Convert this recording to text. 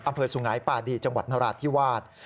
อำเภอสุงหายปาดีจังหวัดนราธิวาส